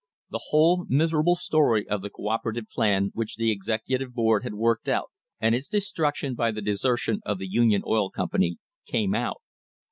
The whole miserable story of the co operative plan which the executive board had worked out, and its destruction by the desertion of the Union Oil Com pany, came out.